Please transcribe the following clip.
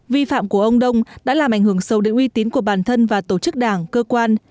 vi phạm của ông đông đã làm ảnh hưởng sâu đến uy tín của bản thân và tổ chức đảng cơ quan